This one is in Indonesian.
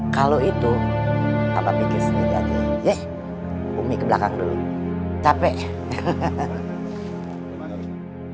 kalau itu apa pikir sendiri aja yeh umi ke belakang dulu capek hahaha